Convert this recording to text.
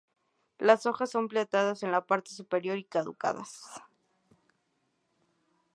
Las hojas son plateadas en la parte superior y caducas.